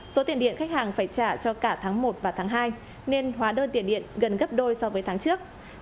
số tiền điện khách hàng phải trả cho cả tháng một và tháng hai nên hóa đơn tiền điện gần gấp đôi so với tháng trước